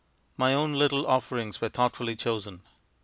My own little offerings were thoughtfully chosen.